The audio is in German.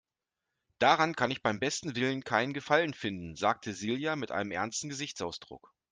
Daran kann ich beim besten Willen keinen Gefallen finden, sagte Silja mit einem ernsten Gesichtsausdruck.